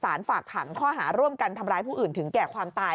ฝากขังข้อหาร่วมกันทำร้ายผู้อื่นถึงแก่ความตาย